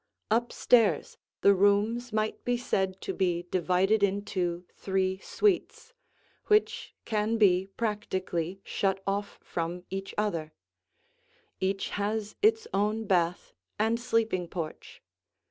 Up stairs the rooms might be said to be divided into three suites, which can be practically shut off from each other: each has its own bath and sleeping porch.